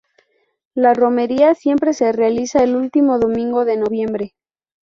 La Romería siempre se realiza el último domingo de noviembre.